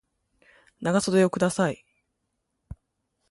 長袖をください